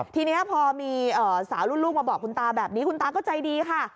ทีนี้พอมีสาวรุ่นลูกมาบอกคุณตาแบบนี้คุณตาก็ใจดีค่ะ